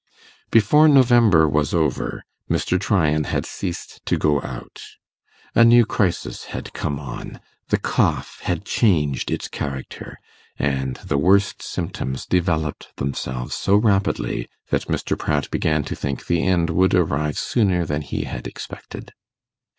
Before November was over Mr. Tryan had ceased to go out. A new crisis had come on: the cough had changed its character, and the worst symptoms developed themselves so rapidly that Mr. Pratt began to think the end would arrive sooner than he had expected.